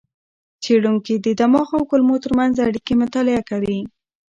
څېړونکي د دماغ او کولمو ترمنځ اړیکې مطالعه کوي.